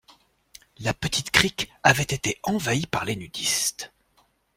La petite crique avait été envahie par les nudistes.